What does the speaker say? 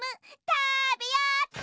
たべよっと！